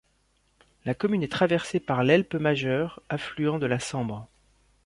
La commune est traversée par l'Helpe Majeure, affluent de la Sambre.